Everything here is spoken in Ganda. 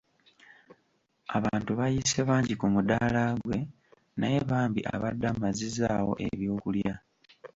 Abantu bayiise bangi ku muddaala gwe naye bambi abadde amazizzaawo ebyokulya.